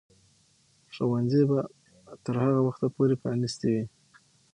ښوونځي به تر هغه وخته پورې پرانیستي وي.